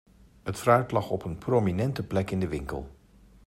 Het fruit lag op een prominente plek in de winkel.